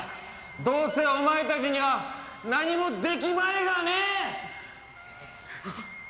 どうせお前たちには何もできまいがね。